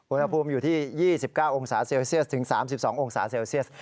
อุณหภูมิอยู่ที่๒๙องศาเซลเซียสถึง๓๒องศาเซลเซียส